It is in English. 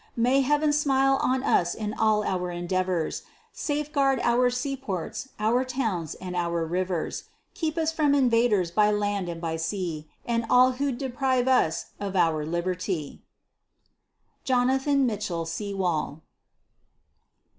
May Heaven smile on us in all our endeavors, Safe guard our seaports, our towns, and our rivers, Keep us from invaders by land and by sea, And from all who'd deprive us of our liberty. JONATHAN MITCHELL SEWALL.